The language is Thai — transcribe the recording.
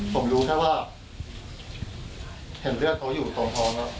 ผมรู้แค่ว่าเห็นเลือดเขาอยู่ตรงท้องแล้ว